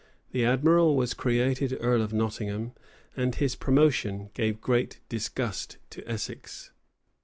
[] The admiral was created earl of Nottingham; and his promotion gave great disgust to Essex.